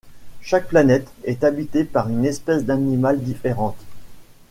Chaque planète est habitée par une espèce d'animal différente.